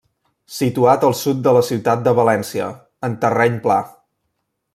Situat al sud de la ciutat de València, en terreny pla.